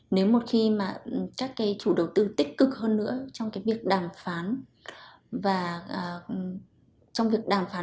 nếu một khi mà các chủ đầu tư tích cực hơn nữa trong việc đàm phán